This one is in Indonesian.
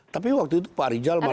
tapi waktu itu pak rijal malah